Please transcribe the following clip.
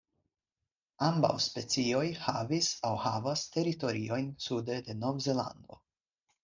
Ambaŭ specioj havis aŭ havas teritoriojn sude de Novzelando.